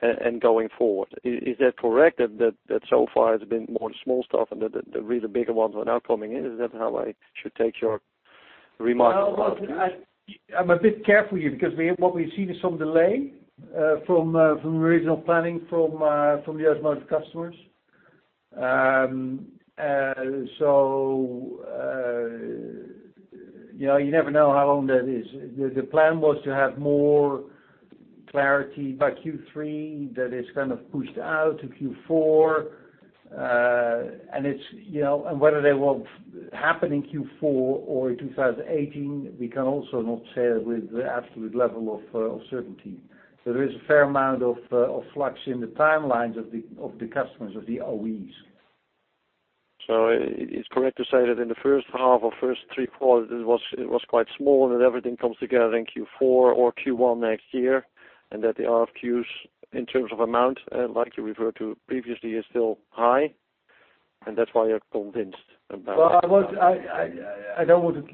S9: and going forward. Is that correct, that so far it's been more the small stuff and that the really bigger ones are now coming in? Is that how I should take your remarks?
S3: Well, I'm a bit careful here because what we have seen is some delay from original planning from the automotive customers. You never know how long that is. The plan was to have more clarity by Q3. That is kind of pushed out to Q4. Whether they will happen in Q4 or in 2018, we can also not say that with the absolute level of certainty. There is a fair amount of flux in the timelines of the customers, of the OEs.
S9: It's correct to say that in the first half or first three quarters, it was quite small and that everything comes together in Q4 or Q1 next year, and that the RFQs in terms of amount, like you referred to previously, is still high, and that's why you're convinced about it?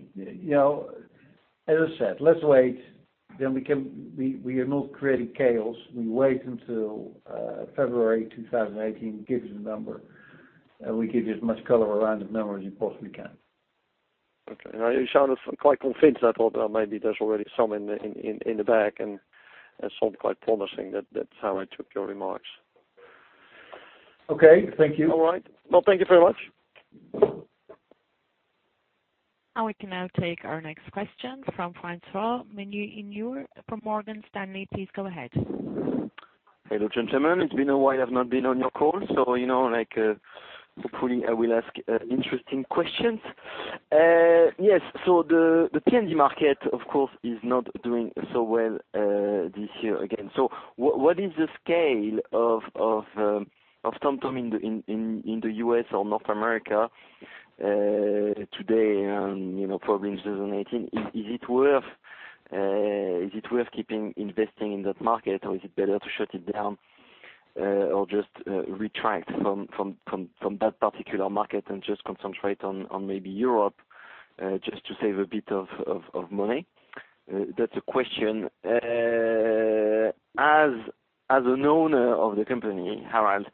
S3: As I said, let's wait. We are not creating chaos. We wait until February 2018, give it a number, and we give you as much color around the number as we possibly can.
S9: Okay. You sounded quite convinced. I thought that maybe there's already some in the bag, and it sound quite promising. That's how I took your remarks.
S3: Okay. Thank you.
S9: All right. Well, thank you very much.
S1: We can now take our next question from Francois Meunier in New York from Morgan Stanley. Please go ahead.
S10: Hello, gentlemen. It's been a while I've not been on your call. Hopefully, I will ask interesting questions. The PND market, of course, is not doing so well this year again. What is the scale of TomTom in the U.S. or North America today and probably in 2018? Is it worth keeping investing in that market, or is it better to shut it down? Just retract from that particular market and just concentrate on maybe Europe, just to save a bit of money. That's a question. As an owner of the company, Harold,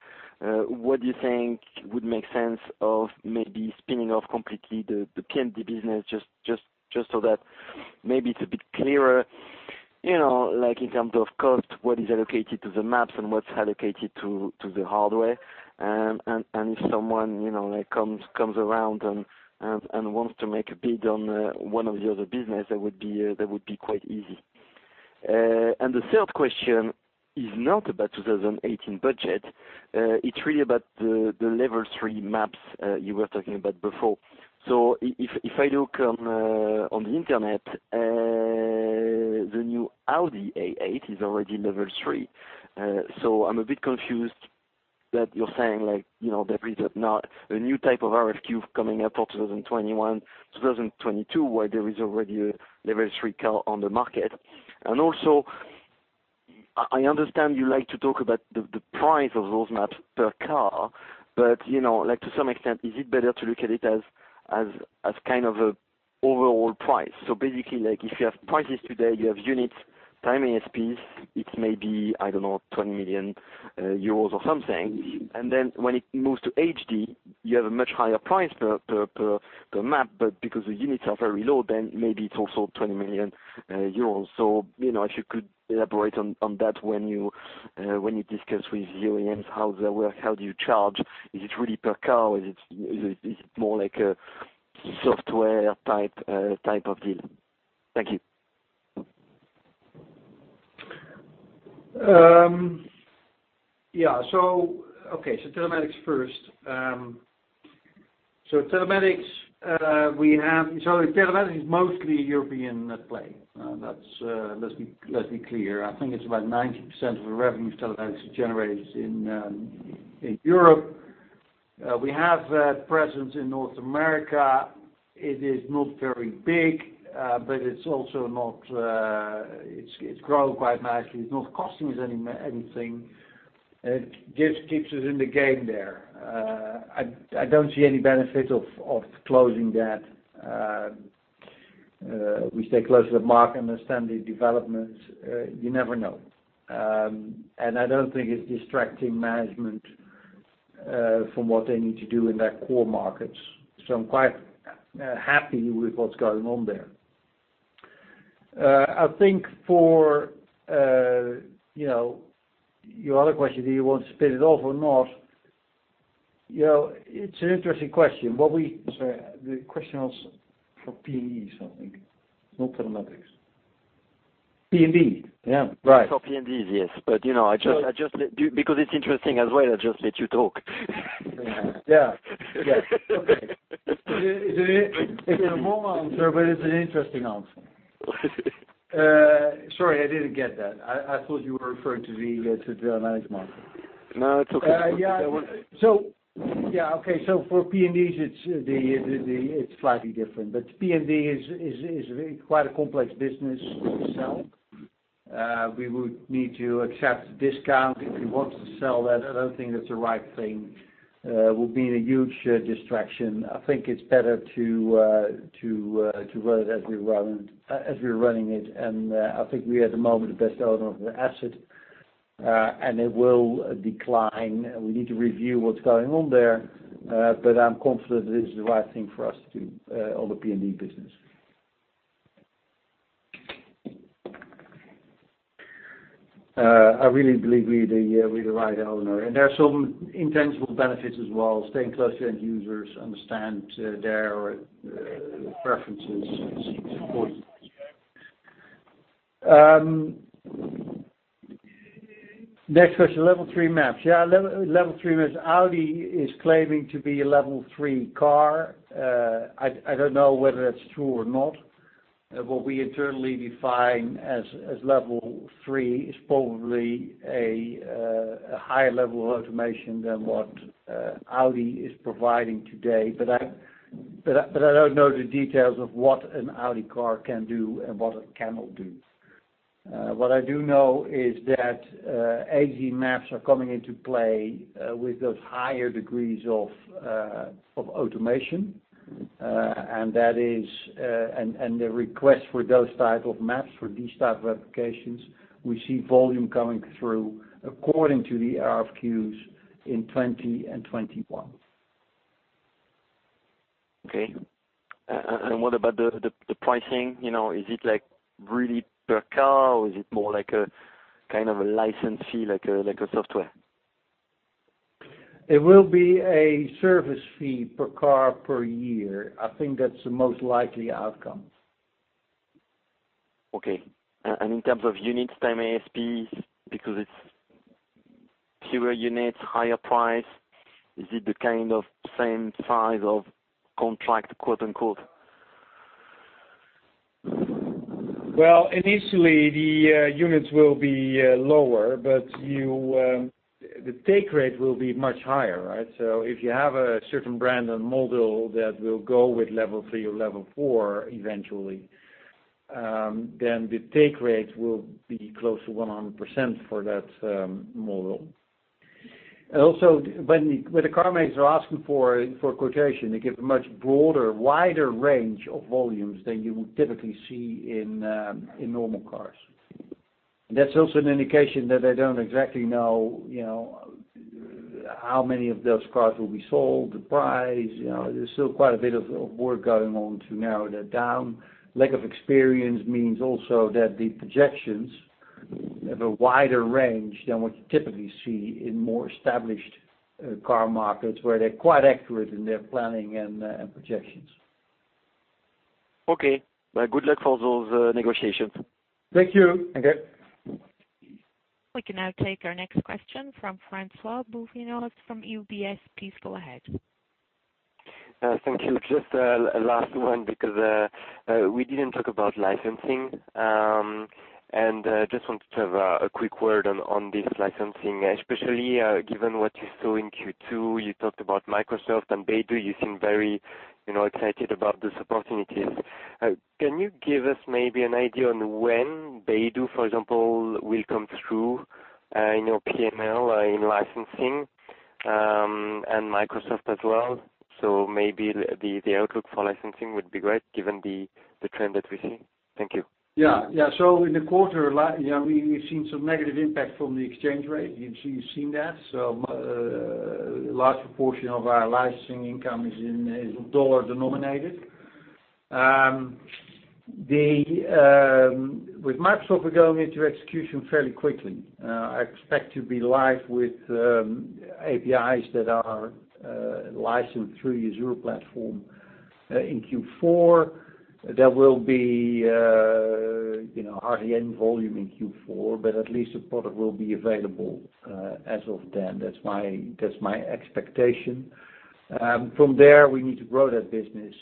S10: what do you think would make sense of maybe spinning off completely the PND business, just so that maybe it's a bit clearer, like in terms of cost, what is allocated to the maps and what's allocated to the hardware? If someone comes around and wants to make a bid on one of the other business, that would be quite easy. The third question is not about 2018 budget. It's really about the Level 3 maps you were talking about before. If I look on the internet, the new Audi A8 is already Level 3. I'm a bit confused that you're saying there is not a new type of RFQ coming up for 2021, 2022, while there is already a Level 3 car on the market. Also, I understand you like to talk about the price of those maps per car, but to some extent, is it better to look at it as kind of an overall price? Basically, if you have prices today, you have units times ASPs, it's maybe, I don't know, 20 million euros or something. When it moves to HD, you have a much higher price per map, but because the units are very low, then maybe it's also 20 million euros. If you could elaborate on that when you discuss with OEMs, how they work, how do you charge? Is it really per car, or is it more like a software type of deal? Thank you.
S3: Yeah. Okay, telematics first. Telematics is mostly a European play. Let's be clear. I think it's about 90% of the revenue telematics generates in Europe. We have a presence in North America. It is not very big, but it's grown quite nicely. It's not costing us anything. It just keeps us in the game there. I don't see any benefit of closing that. We stay close to the market, understand the developments. You never know. I don't think it's distracting management from what they need to do in their core markets. I'm quite happy with what's going on there. I think for your other question, do you want to spin it off or not? It's an interesting question. What we
S4: Sorry, the question was for PND, I think, not telematics.
S3: PND? Yeah, right.
S10: For PNDs, yes. It's interesting as well, I just let you talk.
S3: Yeah. Okay. It's a wrong answer, but it's an interesting answer. Sorry, I didn't get that. I thought you were referring to the telematics market.
S10: No, it's okay.
S3: Yeah. Okay. For PNDs, it's slightly different. PND is quite a complex business to sell. We would need to accept a discount if we want to sell that. I don't think that's the right thing. It would be a huge distraction. I think it's better to run it as we're running it, and I think we, at the moment, are the best owner of the asset. It will decline, and we need to review what's going on there. I'm confident this is the right thing for us to do, own the PND business. I really believe we're the right owner. There are some intangible benefits as well, staying close to end users, understand their preferences. It's important. Next question, Level 3 maps. Yeah, Level 3 maps. Audi is claiming to be a Level 3 car. I don't know whether that's true or not. What we internally define as Level 3 is probably a higher level of automation than what Audi is providing today. I don't know the details of what an Audi car can do and what it cannot do. What I do know is that HD maps are coming into play with those higher degrees of automation. The request for those type of maps, for these type of applications, we see volume coming through according to the RFQs in 2020 and 2021.
S10: Okay. What about the pricing? Is it really per car, or is it more like a kind of a license fee, like a software?
S3: It will be a service fee per car per year. I think that's the most likely outcome.
S10: Okay. In terms of units times ASPs, because it's fewer units, higher price, is it the kind of same size of contract, quote-unquote?
S3: Well, initially, the units will be lower, but the take rate will be much higher, right? If you have a certain brand and model that will go with Level 3 or Level 4 eventually, the take rate will be close to 100% for that model. Also, when the car makers are asking for a quotation, they give a much broader, wider range of volumes than you would typically see in normal cars. That's also an indication that they don't exactly know how many of those cars will be sold, the price. There's still quite a bit of work going on to narrow that down. Lack of experience means also that the projections have a wider range than what you typically see in more established car markets, where they're quite accurate in their planning and projections.
S10: Okay. Good luck for those negotiations.
S3: Thank you.
S10: Okay.
S1: We can now take our next question from François-Xavier Bouvignies from UBS. Please go ahead.
S5: Thank you. Just a last one because we didn't talk about licensing. Just wanted to have a quick word on this licensing, especially given what you saw in Q2. You talked about Microsoft and Baidu. You seem very excited about these opportunities. Can you give us maybe an idea on when Baidu, for example, will come through in your P&L in licensing, and Microsoft as well? Maybe the outlook for licensing would be great given the trend that we're seeing. Thank you.
S3: Yeah. In the quarter, we've seen some negative impact from the exchange rate. You've seen that. A large proportion of our licensing income is dollar denominated. With Microsoft, we're going into execution fairly quickly. I expect to be live with APIs that are licensed through the Azure platform in Q4. There will be hardly any volume in Q4, but at least the product will be available as of then. That's my expectation. From there, we need to grow that business.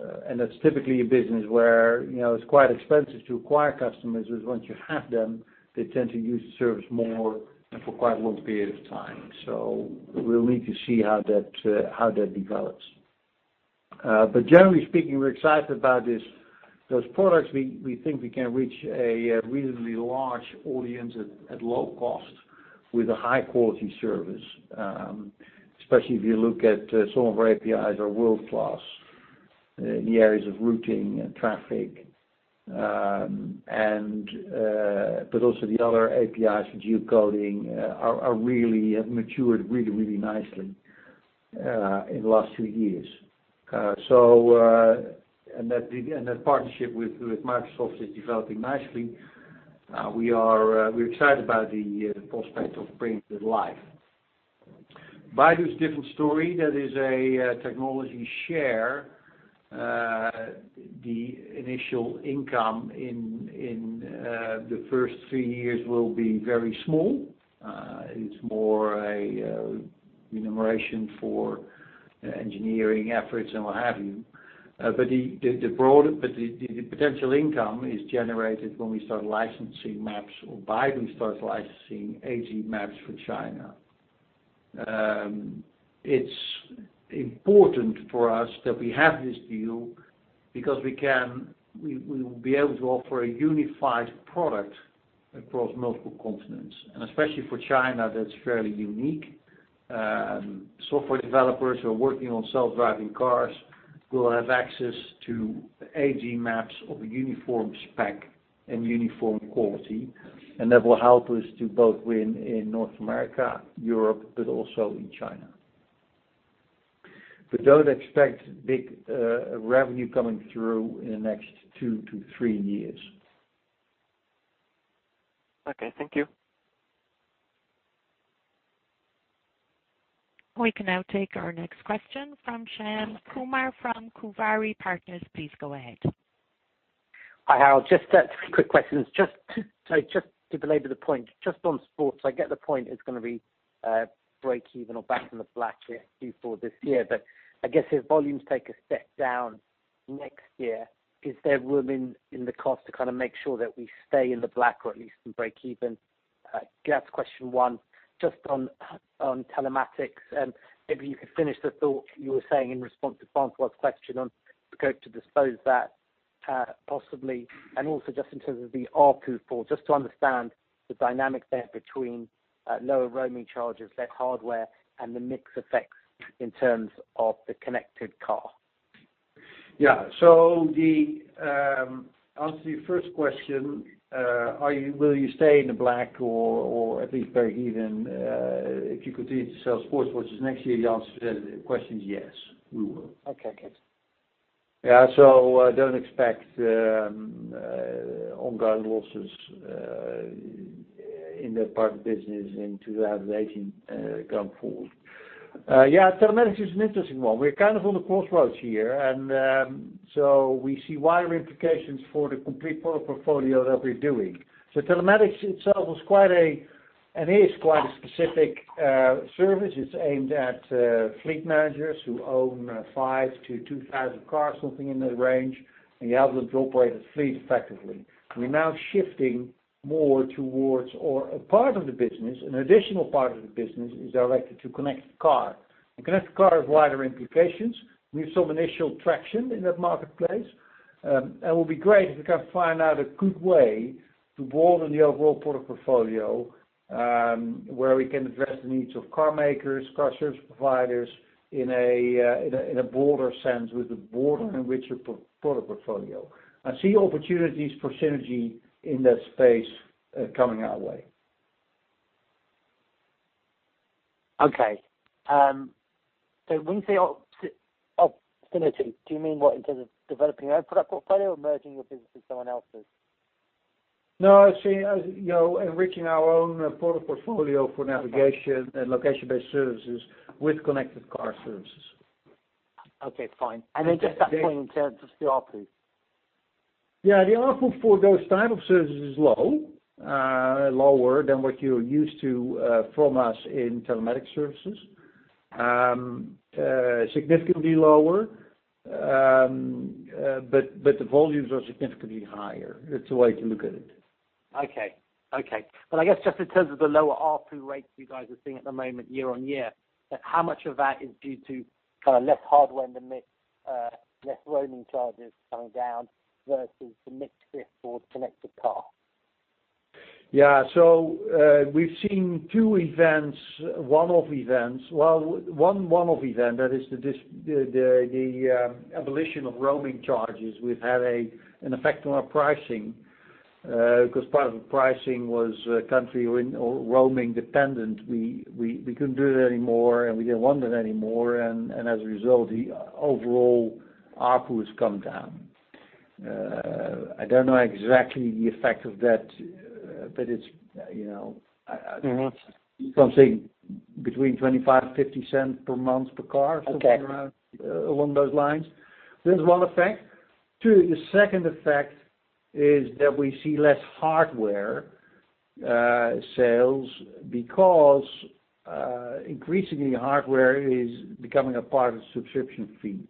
S3: That's typically a business where it's quite expensive to acquire customers, but once you have them, they tend to use the service more and for quite a long period of time. We'll need to see how that develops. Generally speaking, we're excited about those products. We think we can reach a reasonably large audience at low cost with a high-quality service, especially if you look at some of our APIs are world-class in the areas of routing and traffic. Also, the other APIs for geocoding have matured really, really nicely in the last few years. That partnership with Microsoft is developing nicely. We're excited about the prospect of bringing it live. Baidu is a different story. That is a technology share. The initial income in the first three years will be very small. It's more a remuneration for engineering efforts and what have you. The potential income is generated when we start licensing maps, or Baidu starts licensing HD maps for China. It's important for us that we have this deal because we will be able to offer a unified product across multiple continents, especially for China, that's fairly unique. Software developers who are working on self-driving cars will have access to HD maps of a uniform spec and uniform quality. That will help us to both win in North America, Europe, but also in China. Don't expect big revenue coming through in the next two to three years.
S5: Okay, thank you.
S1: We can now take our next question from Shyam Kumar from Kepler Cheuvreux. Please go ahead.
S11: Hi, Harold. Just three quick questions. Just to belabor the point, just on sports, I get the point it's going to be breakeven or back in the black here Q4 this year. I guess if volumes take a step down next year, is there room in the cost to kind of make sure that we stay in the black or at least in breakeven? That's question one. Just on Telematics, maybe you could finish the thought you were saying in response to Francois's question on scope to dispose that possibly, and also just in terms of the ARPU fall, just to understand the dynamic there between lower roaming charges, net hardware, and the mix effects in terms of the connected car.
S3: Yeah. The answer to your first question, will you stay in the black or at least breakeven if you continue to sell sports watches next year? The answer to that question is yes, we will.
S11: Okay, good.
S3: Don't expect ongoing losses in that part of the business in 2018 going forward. Yeah, telematics is an interesting one. We're kind of on the crossroads here, we see wider implications for the complete product portfolio that we're doing. Telematics itself was quite a, and is quite a specific service. It's aimed at fleet managers who own 5 to 2,000 cars, something in that range, and you have to operate the fleet effectively. We're now shifting more towards, or a part of the business, an additional part of the business is directed to connected car. Connected car has wider implications. We have some initial traction in that marketplace. It will be great if we can find out a good way to broaden the overall product portfolio, where we can address the needs of car makers, car service providers in a broader sense with the broader and richer product portfolio. I see opportunities for synergy in that space coming our way.
S11: Okay. When you say opportunity, do you mean what in terms of developing your own product portfolio or merging your business with someone else's?
S3: No, I see enriching our own product portfolio for navigation and location-based services with connected car services.
S11: Okay, fine. Then just that point in terms of the ARPU.
S3: Yeah, the ARPU for those type of services is low, lower than what you're used to from us in telematic services. Significantly lower, the volumes are significantly higher. That's the way to look at it.
S11: Okay. I guess just in terms of the lower ARPU rates you guys are seeing at the moment year-on-year, how much of that is due to less hardware in the mix, less roaming charges coming down versus the mix shift towards connected car?
S3: Yeah, we've seen two events, one-off events. Well, one one-off event, that is the abolition of roaming charges, we've had an effect on our pricing, because part of the pricing was country or roaming dependent. We couldn't do that anymore, and we didn't want that anymore, and as a result, the overall ARPU has come down. I don't know exactly the effect of that, it's something between 0.25-0.50 per month per car.
S11: Okay.
S3: Something around along those lines. There is one effect. The second effect is that we see less hardware sales because increasingly hardware is becoming a part of the subscription fee.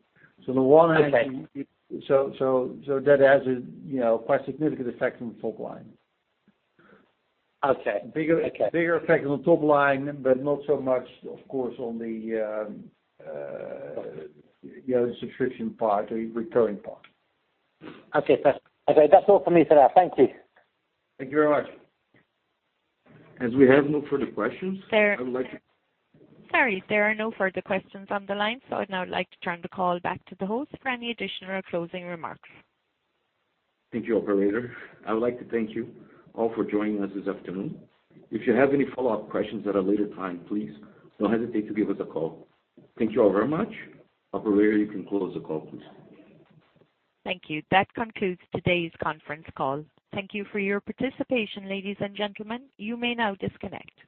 S11: Okay.
S3: That has a quite significant effect on the top line.
S11: Okay.
S3: Bigger effect on the top line, not so much, of course, on the subscription part or the recurring part.
S11: Okay. That's all from me for now. Thank you.
S3: Thank you very much.
S2: As we have no further questions, I would like to-
S1: Sorry, there are no further questions on the line, so I'd now like to turn the call back to the host for any additional closing remarks.
S2: Thank you, operator. I would like to thank you all for joining us this afternoon. If you have any follow-up questions at a later time, please don't hesitate to give us a call. Thank you all very much. Operator, you can close the call, please.
S1: Thank you. That concludes today's conference call. Thank you for your participation, ladies and gentlemen. You may now disconnect.